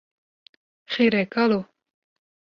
Xêr e kalo